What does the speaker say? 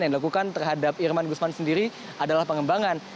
yang dilakukan terhadap irman gusman sendiri adalah pengembangan